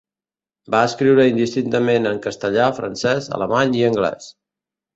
Va escriure indistintament en castellà, francès, alemany i anglès.